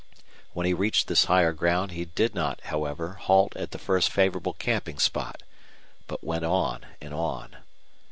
When he reached this higher ground he did not, however, halt at the first favorable camping spot, but went on and on.